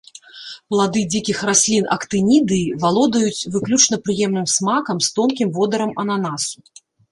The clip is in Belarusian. Плады дзікіх раслін актынідыі валодаюць выключна прыемным смакам з тонкім водарам ананасу.